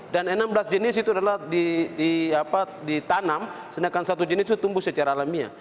dan enam belas jenis itu adalah ditanam sedangkan satu jenis itu tumbuh secara alamiah